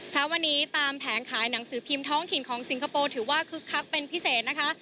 เช้าวันนี้ตามแผงขายหนังสือพิมพ์ท้องถิ่นของสิงคโปร์ถือว่าคึกคักเป็นพิเศษนะคะ